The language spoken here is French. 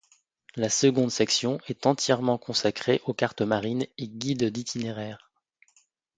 La seconde section est entièrement consacrée aux cartes marines et guides d'itinéraires.